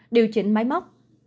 điều chỉnh máy móc